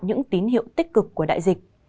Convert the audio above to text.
những tín hiệu tích cực của đại dịch